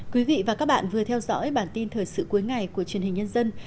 quý vị và các bạn vừa theo dõi bản tin thời sự cuối ngày của truyền hình nhân dân